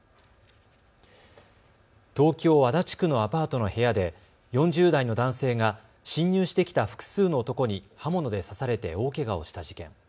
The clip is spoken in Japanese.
東京足立区のアパートの部屋で４０代の男性が侵入してきた複数の男に刃物で刺されて大けがをした事件。